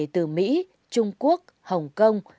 từ mỹ trung quốc hồng kông